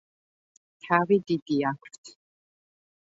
თავი დიდი აქვთ.